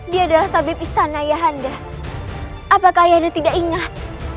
dia adalah tabib istana ayahanda apakah ayahanda tidak ingat